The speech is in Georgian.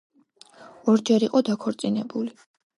ორჯერ იყო დაქორწინებული.